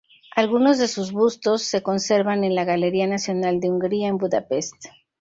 Algunos de sus bustos se conservan en la Galería Nacional de Hungría en Budapest.